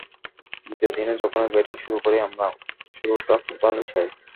দ্বিতীয় দিনে যখনই ব্যাটিং শুরু করি আমরা, শুরুটা খুব ভালো চাই।